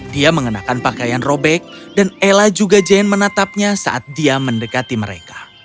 dia mengenakan pakaian robek dan ella juga jane menatapnya saat dia mendekati mereka